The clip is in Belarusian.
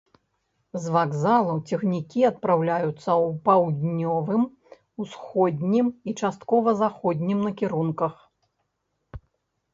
З вакзалу цягнікі адпраўляюцца ў паўднёвым, усходнім і часткова заходнім накірунках.